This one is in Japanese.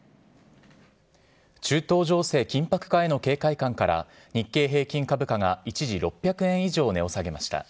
中東情勢緊迫化への警戒感から、日経平均株価が一時６００円以上値を下げました。